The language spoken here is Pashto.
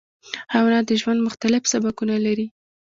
حیوانات د ژوند مختلف سبکونه لري.